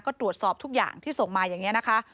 ก็ตรวจสอบทุกอย่างที่ส่งมาอย่างนี้นะคะ